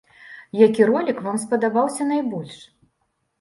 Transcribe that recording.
Які ролік вам спадабаўся найбольш?